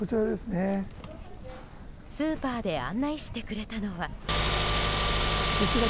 スーパーで案内してくれたのは。